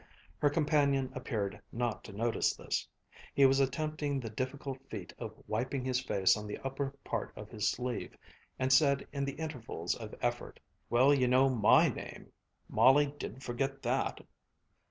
Her companion appeared not to notice this. He was attempting the difficult feat of wiping his face on the upper part of his sleeve, and said in the intervals of effort: "Well, you know my name. Molly didn't forget that."